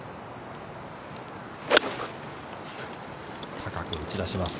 高く打ち出します。